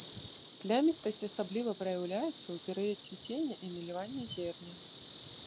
Плямістасць асабліва праяўляецца ў перыяд цвіцення і налівання зерня.